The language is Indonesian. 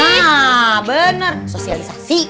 nah bener sosialisasi